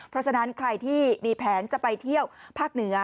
เพราะฉะนั้นใครที่มีแผนจะไปเที่ยวภาคเหนือ